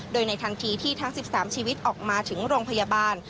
โดยในทันทีที่ทั้ง๑๓ชีวิตออกมาถึงโรงพยาบาล